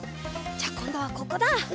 じゃあこんどはここだ。